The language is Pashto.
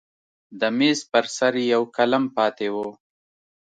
د میز پر سر یو قلم پاتې و.